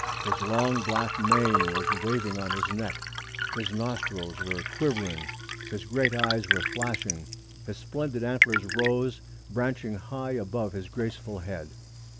His long black mane was waving on his neck; his nostrils were quivering; his great eyes were flashing; his splendid antlers rose, branching high above his graceful head.